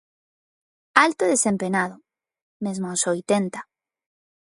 Alto e desempenado, mesmo aos oitenta.